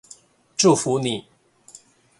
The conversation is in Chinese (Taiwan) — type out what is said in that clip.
祝福你